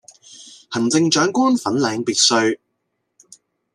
行政長官粉嶺別墅